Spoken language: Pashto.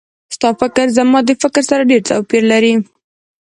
ستا فکر زما د فکر سره ډېر توپیر لري